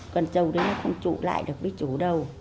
con trâu đấy nó không trụ lại được với chú đâu